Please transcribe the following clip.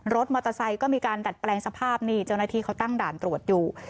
รถมอเตอร์ไซค์ก็มีการดัดแปลงสภาพนี่เจ้าหน้าที่เขาตั้งด่านตรวจอยู่